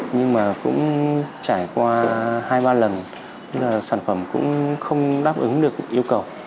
nhưng mà cũng trải qua hai ba lần sản phẩm cũng không đáp ứng được